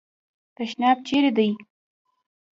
تشناب چیري دی ؟